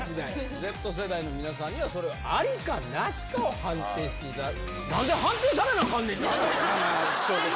Ｚ世代の皆さんにはそれはありかなしかを判定していただく。